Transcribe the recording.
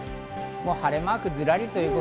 晴れマークずらり。